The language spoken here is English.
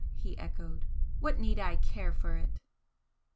he echoed "What need I care for it?